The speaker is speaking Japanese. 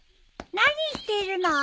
何してるの？